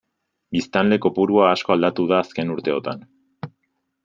Biztanle-kopurua asko aldatu da azken urteotan.